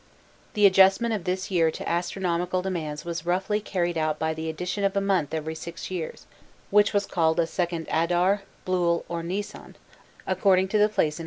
The adjustment of this year to astronomical demands was roughly carried out by the addition of a month every six years, which was called a second Adar, Blul, or Nisan, according to the place in which it was intercalated.